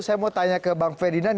saya mau tanya ke bang ferdinand